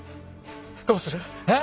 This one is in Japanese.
どうする？え？